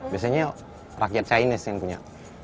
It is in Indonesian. biasanya rakyat chinese yang punya